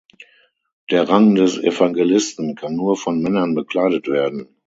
Der Rang des Evangelisten kann nur von Männern bekleidet werden.